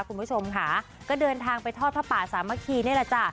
คุณผู้ชมค่ะก็เดินทางไปทอดผ้าป่าสามัคคีนี่แหละจ้ะ